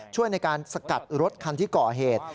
ช่วยในการสกัดรถคันที่ก่อเหตุ